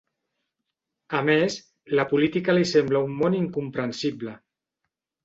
A més, la política li sembla un món incomprensible.